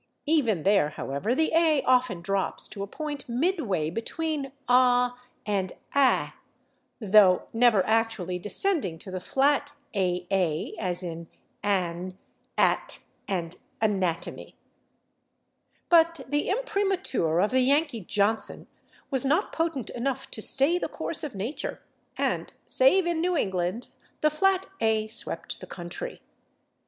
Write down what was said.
Even there, however, the /a/ often drops to a point midway between /ah/ and /aa/, though never actually descending to the flat /aa/, as in /an/, /at/ and /anatomy/. But the imprimatur of the Yankee Johnson was not potent enough to stay the course of nature, and, save in New England, the flat /a/ swept the country.